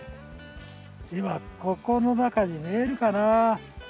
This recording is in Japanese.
今ここの中に見えるかな？